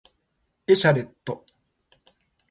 エシャレット